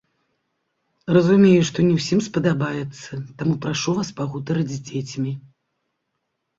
Разумею, што не ўсім спадабаецца, таму прашу вас пагутарыць з дзецьмі.